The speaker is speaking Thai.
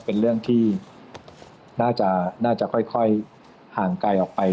เป็นเรื่องที่น่าจะค่อยห่างไกลออกไป